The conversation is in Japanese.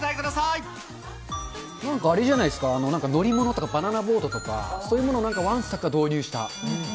なんかあれじゃないですか、乗り物とか、バナナボードとか、そういうものをなんかわんさか導入した。